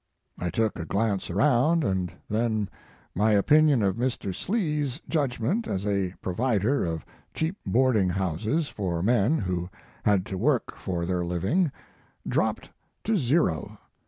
I took a glance around and then iny opinion of Mr. Slee s judgment as a provider of cheap boarding houses for men who had to work for their living dropped to zero.